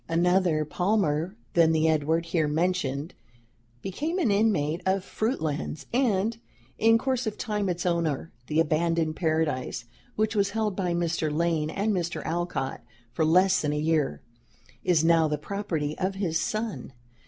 Another Palmer than the Edward here mentioned became an inmate of "Fruitlands," and, in course of time its owner; the abandoned paradise, which was held by Mr. Lane and Mr. Alcott for less than a year, is now the property of his son.